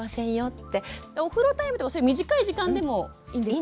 お風呂タイムとかそういう短い時間でもいいんですかね？